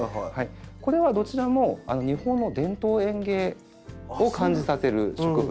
これはどちらも日本の伝統園芸を感じさせる植物なんですね。